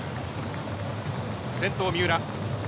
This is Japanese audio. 先頭、三浦。